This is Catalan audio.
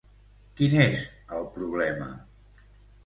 Quin és el problema?